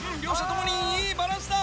ともにいいバランスだ。